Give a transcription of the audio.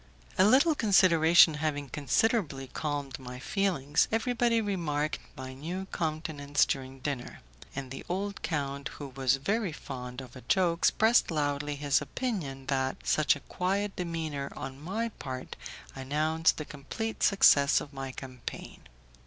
A little consideration having considerably calmed my feelings, everybody remarked my new countenance during dinner; and the old count, who was very fond of a joke, expressed loudly his opinion that such quiet demeanour on my part announced the complete success of my campaign.